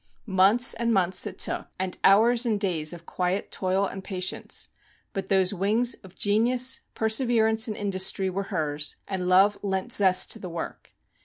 Months and months it took, and hours and days of quiet toil and patience ; but those wings of genius, perseverance, and industry, were hers, and love lent zest to the work.